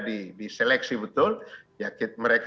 diseleksi betul ya mereka